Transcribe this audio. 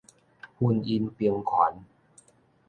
婚姻平權